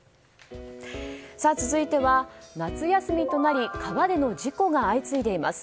続いては夏休みとなり川での事故が相次いでいます。